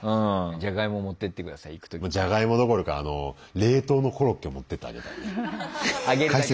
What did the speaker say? じゃがいもどころか冷凍のコロッケ持ってってあげたいね。